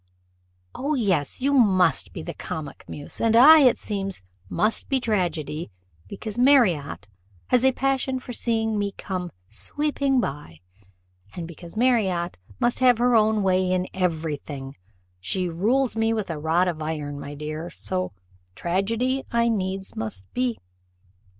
O yes, you must be the comic muse; and I, it seems, must be tragedy, because Marriott has a passion for seeing me 'come sweeping by.' And because Marriott must have her own way in every thing she rules me with a rod of iron, my dear, so tragedy I needs must be.